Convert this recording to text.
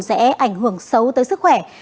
sẽ ảnh hưởng xấu tới sức khỏe